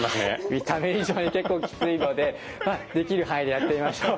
見た目以上に結構きついのでできる範囲でやってみましょう。